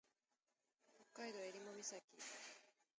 北海道襟裳岬